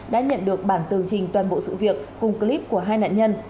đã nhận được bản tường trình toàn bộ sự việc cùng clip của hai nạn nhân